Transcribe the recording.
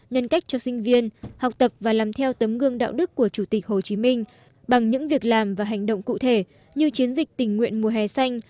nhân cách cho sinh viên học tập và làm theo tấm gương đạo đức của chủ tịch hồ chí minh bằng những việc làm và hành động cụ thể như chiến dịch tình nguyện mùa hè xanh